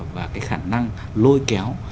và cái khả năng lôi kéo